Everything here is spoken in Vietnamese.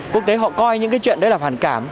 quốc tế họ coi những cái chuyện đấy là phản cảm